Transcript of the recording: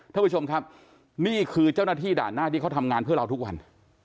ท่านผู้ชมครับนี่คือเจ้าหน้าที่ด่านหน้าที่เขาทำงานเพื่อเราทุกวัน